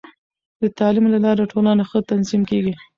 د تعلیم له لارې، ټولنه ښه تنظیم کېږي.